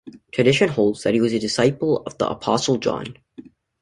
Tradition holds that he was a disciple of the Apostle John.